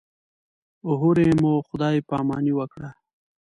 هورې مو خدای پاماني وکړه.